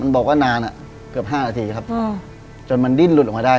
มันบอกว่านานอ่ะเกือบห้านาทีครับอ่าจนมันดิ้นหลุดออกมาได้